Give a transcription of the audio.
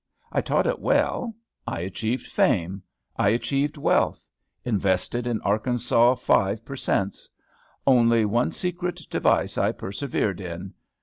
I taught it well. I achieved fame. I achieved wealth; invested in Arkansas Five per Cents. Only one secret device I persevered in.